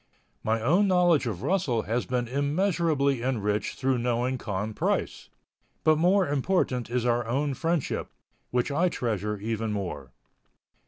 My own knowledge of Russell has been immeasurably enriched through knowing Con Price, but more important is our own friendship, which I treasure even more.